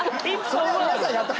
それは皆さんやった。